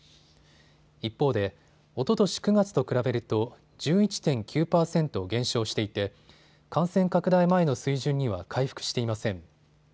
一方でおととし９月と比べると１１．９％減少していて感染拡大前の水準には回復していません。